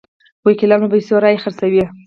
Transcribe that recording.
وکیلان په پیسو رایې خرڅوي.